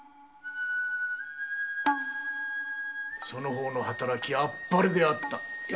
その方の働きアッパレであった。